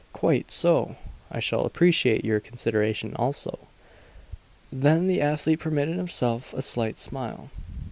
"Quite so! I shall appreciate your consideration also." Then the athlete permitted himself a slight smile.